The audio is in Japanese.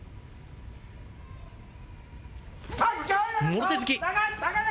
もろ手突き。